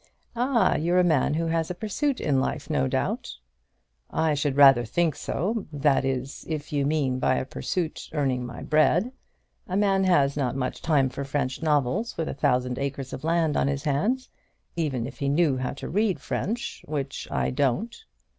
"Ah, you're a man who has a pursuit in life, no doubt." "I should rather think so, that is, if you mean, by a pursuit, earning my bread. A man has not much time for French novels with a thousand acres of land on his hands; even if he knew how to read French, which I don't."